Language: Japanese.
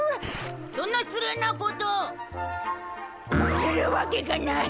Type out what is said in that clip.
そんな失礼なことするわけがない。